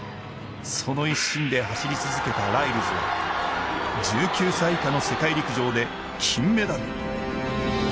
その一心で走り続けたライルズは１９歳以下の世界陸上で金メダル。